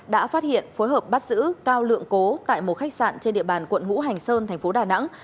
đã phát hiện phối hợp bắt giữ cao lượng cố tại một khách sạn trên địa bàn quận ngũ hành sơn thành phố đà nẵng